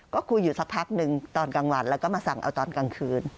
ก็คุยอยู่สักพักหนึ่งตอนกลางวันแล้วก็มาสั่งเอาตอนกลางคืน